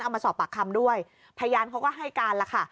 มาสอบปากคำด้วยพยานเขาก็ให้การแล้วค่ะ